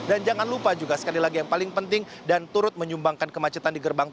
dan jangan lupa juga sekali lagi yang paling penting dan turut menyumbangkan kemacetan di gerbang